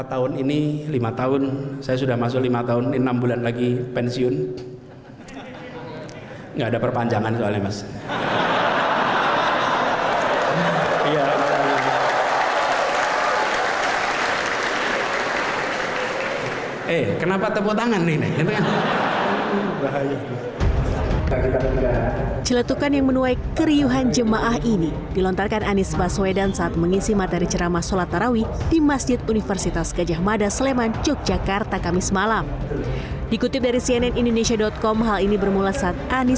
alhamdulillah empat tahun ini lima tahun saya sudah masuk lima tahun enam bulan lagi pensiun